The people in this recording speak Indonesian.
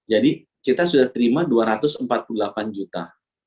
jadi kita sudah terima dua ratus empat puluh delapan juta